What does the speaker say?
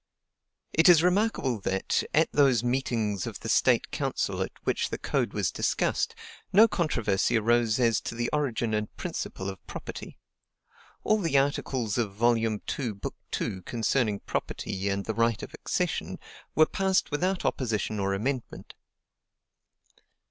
It is remarkable that, at those meetings of the State Council at which the Code was discussed, no controversy arose as to the origin and principle of property. All the articles of Vol. II., Book 2, concerning property and the right of accession, were passed without opposition or amendment.